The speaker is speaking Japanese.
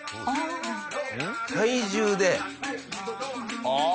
ああ！